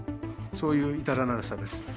そういう至らなさです。